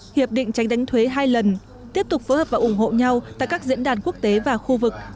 hiệp định tránh đánh thuế hai lần tiếp tục phối hợp và ủng hộ nhau tại các diễn đàn quốc tế và khu vực